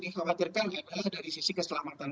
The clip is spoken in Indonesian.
dikhawatirkan adalah dari sisi keselamatan